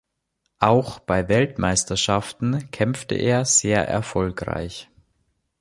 Auch bei Weltmeisterschaften kämpfte er sehr erfolgreich.